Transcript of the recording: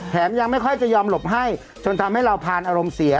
ยังไม่ค่อยจะยอมหลบให้จนทำให้เราผ่านอารมณ์เสีย